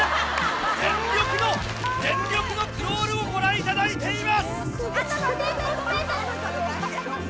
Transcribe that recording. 全力の全力のクロールをご覧いただいています！